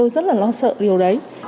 rất là lo sợ điều đấy